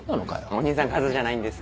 お義兄さん数じゃないんです。